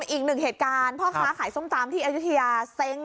อีกหนึ่งเหตุการณ์พ่อค้าขายส้มตำที่อายุทยาเซ้ง